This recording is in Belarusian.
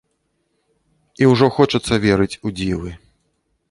І ўжо хочацца верыць у дзівы.